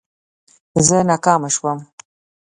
زه ناکامه شوم